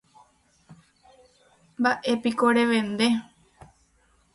Mba'épiko revende.